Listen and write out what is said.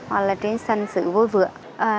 hình sự vui vượng